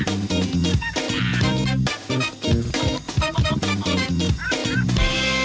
อืม